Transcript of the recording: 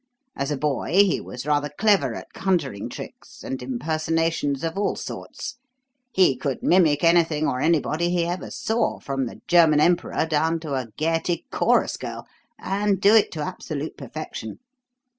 As a boy he was rather clever at conjuring tricks and impersonations of all sorts he could mimic anything or anybody he ever saw, from the German Emperor down to a Gaiety chorus girl, and do it to absolute perfection.